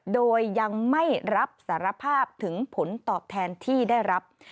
โดยยังไม่รับสารภาพถึงผลตอบแทนที่ได้รับ